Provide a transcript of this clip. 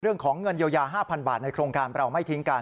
เรื่องของเงินเยียวยา๕๐๐บาทในโครงการเราไม่ทิ้งกัน